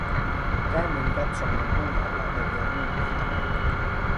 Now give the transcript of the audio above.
Käännyin katsomaan puun alla olevia ruumiita.